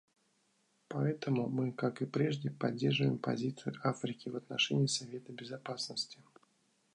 Поэтому мы, как и прежде, поддерживаем позицию Африки в отношении Совета Безопасности.